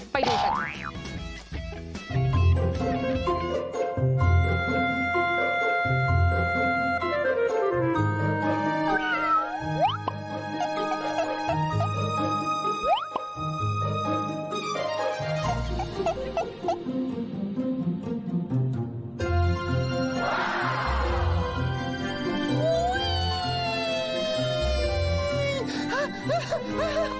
ไปดูกัน